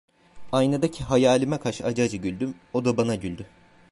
Aynadaki hayalime karşı acı acı güldüm, o da bana güldü.